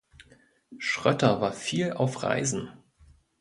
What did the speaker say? Schrötter war viel auf Reisen.